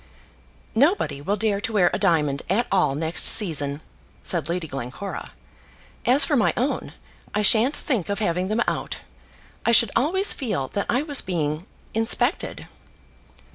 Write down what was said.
"Nobody will dare to wear a diamond at all next season," said Lady Glencora. "As for my own, I sha'n't think of having them out. I should always feel that I was being inspected."